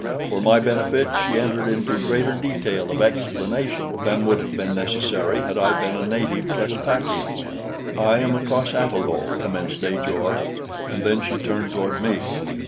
For my benefit she entered into greater detail of explanation than would have been necessary had I been a native Caspakian. "I am a cos ata lo," commenced Ajor, and then she turned toward me.